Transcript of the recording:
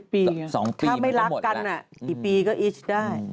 ๗ปี๒ปีมันก็หมดละถ้าไม่รักกันอีกปีก็อีชได้